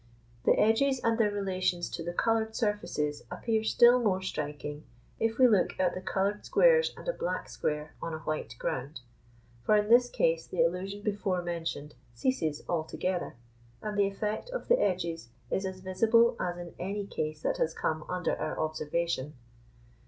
The edges and their relations to the coloured surfaces appear still more striking if we look at the coloured squares and a black square on a white ground; for in this case the illusion before mentioned ceases altogether, and the effect of the edges is as visible as in any case that has come under our observation.